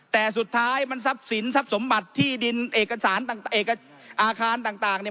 แต่สุดท้ายมันทรัพย์สินทรัพย์สมบัติที่ดินเอกสารต่างอาคารต่างเนี่ย